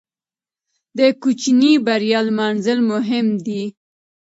د کوچنۍ بریا لمانځل مهم دي.